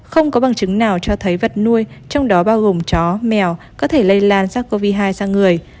không có bằng chứng nào cho thấy vật nuôi trong đó bao gồm chó mèo có thể lây lan sars cov hai sang người